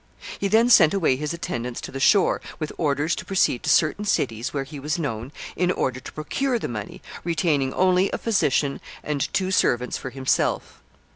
He then sent away his attendants to the shore, with orders to proceed to certain cities where he was known, in order to procure the money, retaining only a physician and two servants for himself.